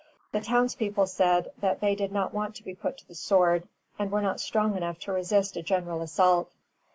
The townspeople said that they did not want to be put to the sword, and were not strong enough to resist a general assault."